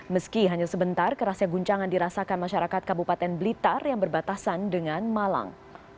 meski hanya sebentar kerasnya guncangan dirasakan masyarakat kabupaten blitar yang berbatasan dengan malang